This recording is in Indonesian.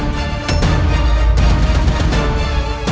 dan aku berjanji